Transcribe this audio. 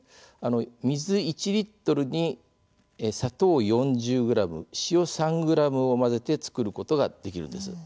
水１リットルに砂糖４０ｇ、塩３ｇを混ぜて作ることができるんです。